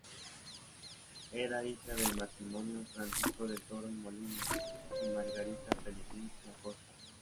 Era hija del matrimonio Francisco del Toro y Molina y Margarita Pelegrín y Acosta.